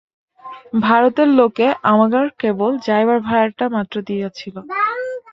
ভারতের লোকে আমার কেবল যাইবার ভাড়াটা মাত্র দিয়াছিল।